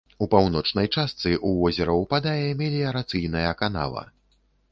У паўночнай частцы ў возера ўпадае меліярацыйная канава.